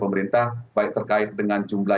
pemerintah baik terkait dengan jumlah